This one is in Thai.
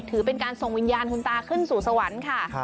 ถือเป็นการส่งวิญญาณคุณตาขึ้นสู่สวรรค์ค่ะ